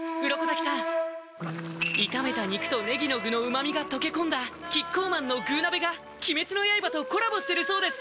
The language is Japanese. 鱗滝さん炒めた肉とねぎの具の旨みが溶け込んだキッコーマンの「具鍋」が鬼滅の刃とコラボしてるそうです